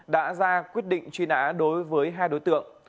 đã ra quyết định truy nã đối với hai đối tượng